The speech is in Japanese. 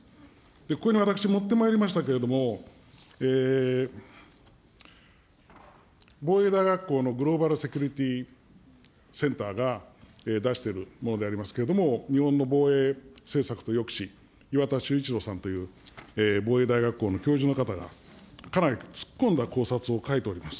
ここに私、持ってまいりましたけれども、防衛大学校のグローバルセキュリティセンターが出しているものでありますけれども、日本の防衛政策と抑止、いわたしゅういちろうさんという防衛大学校の教授の方が、かなり突っ込んだ考察を書いております。